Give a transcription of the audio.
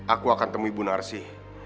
aku akan temui bu narsi